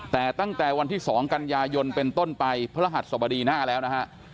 แต่ตั้งแต่วันที่๒กันยายนเป็นต้นไปพระรหัสสบดีหน้าแล้วนะฮะ